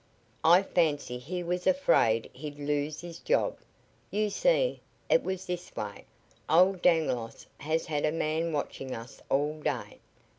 I fancy he was afraid he'd lose his job. You see, it was this way: Old Dangloss has had a man watching us all day.